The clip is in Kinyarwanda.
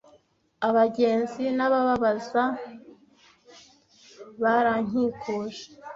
Abagenzi nababaza barankikuje,